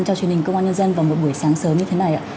cho truyền hình công an nhân dân vào một buổi sáng sớm như thế này ạ